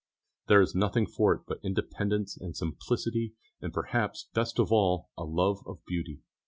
There is nothing for it but independence and simplicity and, perhaps best of all, a love of beauty.